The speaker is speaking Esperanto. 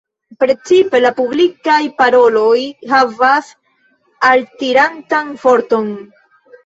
Precipe la publikaj paroloj havas altirantan forton.